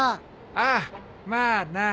ああまあな。